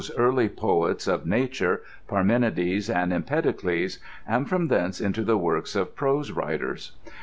71 of nature, Parmenides and Empedocles, and from thence into the works of prose writers.